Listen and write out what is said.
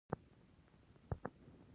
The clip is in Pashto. دا د دوی ملي او رسمي مسوولیت دی